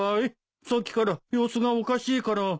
さっきから様子がおかしいから。